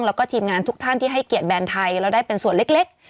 แล้วก็ทีมงานทุกท่านที่ให้เกียรติแบรนด์ไทยแล้วได้เป็นส่วนเล็ก